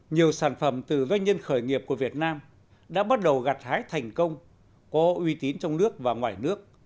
nhiều sản phẩm từ doanh nhân khởi nghiệp của việt nam đã bắt đầu gặt hái thành công có uy tín trong nước và ngoài nước